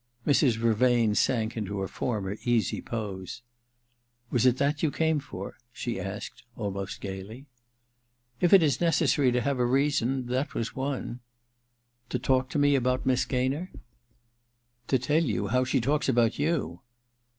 Mrs. Vervain sank into her former easy pose. ^ Was it that you came for ?' she asked, almost gaily. *If it is necessary to have a reason — that was one.' * To talk to me about Miss Gaynor ?'* To tell you how she talks about you.'